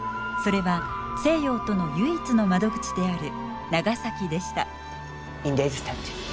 それは西洋との唯一の窓口である長崎でした。